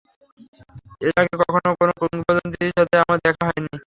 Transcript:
এর আগে কখনও কোনো কিংবদন্তির সাথে আমার দেখা হয়নি।